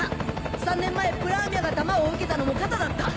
３年前プラーミャが弾を受けたのも肩だった。